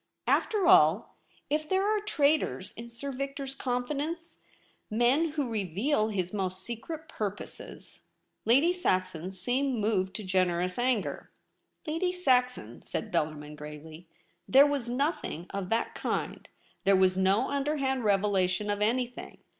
* After all — If there are traitors in Sir Victor's confidence — men who reveal his most secret purposes ' IN THE LOBBY. Lady Saxon seemed moved to generous anger. ' Lady Saxon,' said Bellarmin gravely^ ' there was nothing of the kind. There was no underhand revelation of anything.